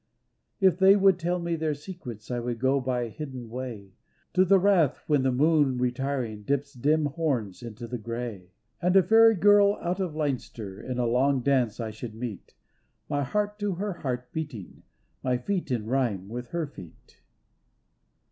If they would tell me their secrets I would go by a hidden way, To the rath when the moon retiring Dips dim horns into the gray. 260 THE RUSHES 261 And a fairy girl out of Leinster In a long dance I should meet, My heart to her heart beating, My feet in rhyme with her feet.